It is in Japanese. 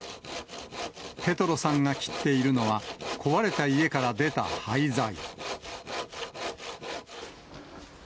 ペトロさんが切っているのは、壊れた家から出た廃材。